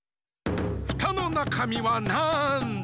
フタのなかみはなんだ？